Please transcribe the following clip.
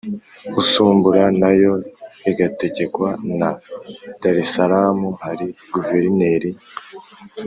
usumbura nayo igategekwa na darisalamu hari guverineri.